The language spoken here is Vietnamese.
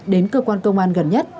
đến cơ quan công an gần nhất